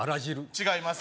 違います